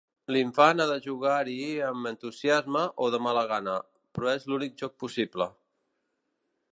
L'infant ha de jugar-hi amb entusiasme o de mala gana; però és l’únic joc possible.